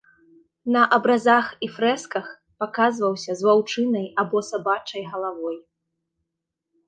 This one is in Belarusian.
На абразах і фрэсках паказваўся з ваўчынай або сабачай галавой.